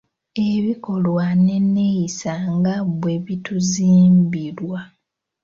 Ebikolwa n’enneeyisa nga bwe bituzimbirwa